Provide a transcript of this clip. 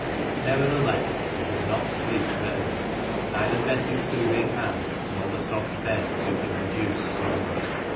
Nevertheless he did not sleep readily. Neither Bess's soothing hand nor the soft bed superinduced slumber.